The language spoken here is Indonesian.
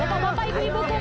bapak bapak ibu ibu